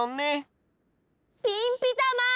ピンピタマン！